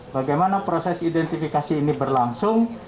bagaimana proses identifikasi ini berlangsung